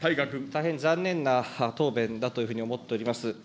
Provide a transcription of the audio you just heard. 大変残念な答弁だというふうに思っております。